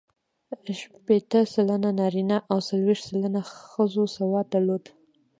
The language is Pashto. شپېته سلنه نارینه او څلوېښت سلنه ښځو سواد درلود.